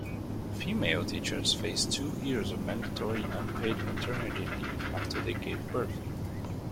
Female teachers faced two years of mandatory unpaid maternity leave after they gave birth.